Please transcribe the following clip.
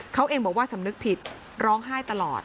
เขาเองบอกว่าสำนึกผิดร้องไห้ตลอด